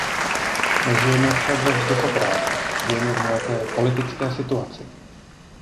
Nežijeme však ve vzduchoprázdnu, žijeme v nějaké politické situaci.